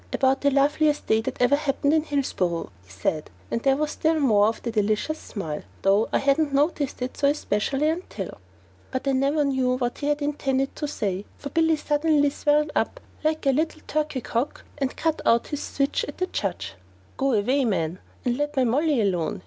"About the loveliest day that ever happened in Hillsboro," he said, and there was still more of the delicious smile, "though I hadn't noticed it so especially until " But I never knew what he had intended to say, for Billy suddenly swelled up like a little turkey cock and cut out with his switch at the judge. "Go away, man, and let my Molly alone!"